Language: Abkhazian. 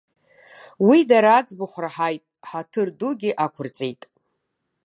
Уи дара аӡбахә раҳаит, ҳаҭыр дугьы ақәырҵеит.